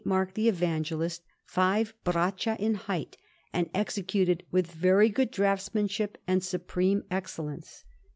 Mark the Evangelist, five braccia in height, and executed with very good draughtsmanship and supreme excellence.